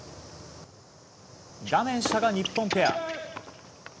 画面下が日本ペア。